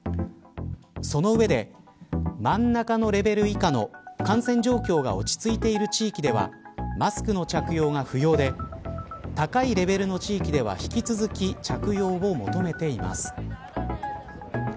その上で、真ん中のレベル以下の感染状況が落ち着いている地域ではマスクの着用が不要で高いレベルの地域では引き続き着用を求めています。